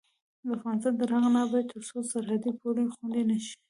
افغانستان تر هغو نه ابادیږي، ترڅو سرحدي پولې خوندي نشي.